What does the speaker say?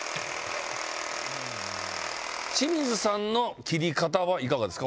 清水さんの切り方はいかがですか？